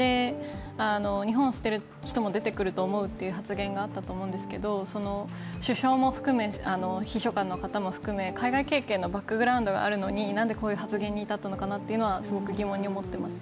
日本を捨てる人も出てくると思うという発言があったんですけど首相も含め、秘書官の方も含め、海外経験のバックグラウンドがあるので、なんでこういう発言に至ったのかなってすごく疑問に思ってます。